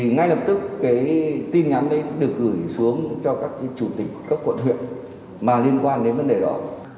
ngay lập tức tin nhắn đấy được gửi xuống cho các chủ tịch các quận huyện mà liên quan đến vấn đề đó